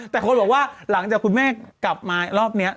แต่คนบอกว่าหลังจากคุณแม่กลับมารอบนี้